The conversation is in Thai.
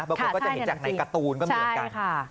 คนก็จะเห็นจากในการ์ตูนก็เหมือนกัน